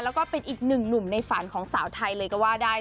แล้วก็เป็นอีกหนึ่งหนุ่มในฝันของสาวไทยเลยก็ว่าได้